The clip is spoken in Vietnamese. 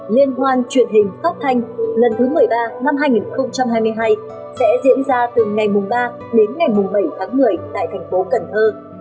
liên hoan truyền hình phát thanh lần thứ một mươi ba năm hai nghìn hai mươi hai sẽ diễn ra từ ngày ba đến ngày bảy tháng một mươi tại thành phố cần thơ